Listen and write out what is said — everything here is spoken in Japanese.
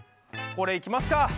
これいきますか。